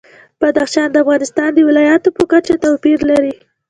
بدخشان د افغانستان د ولایاتو په کچه توپیر لري.